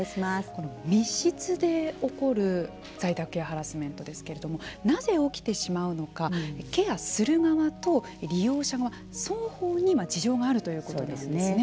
密室で起こる在宅ケアハラスメントですけれどもなぜ起きてしまうのかケアする側と利用者側双方に事情があるということなんですね。